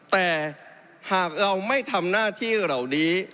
แต่หากเราไม่ทำหน้าที่เหล่านี้